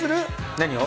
何を？